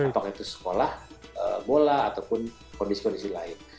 apakah itu sekolah bola ataupun kondisi kondisi lain